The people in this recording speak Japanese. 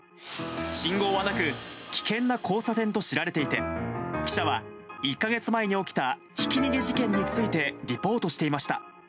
信号はなく、危険な交差点と知られていて、記者は１か月前に起きたひき逃げ事件についてリポートしていました。